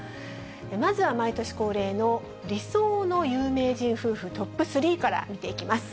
まずは毎年恒例の理想の有名人夫婦トップ３から見ていきます。